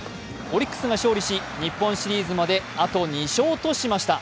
オリックスが勝利し日本シリーズまであと２勝としました。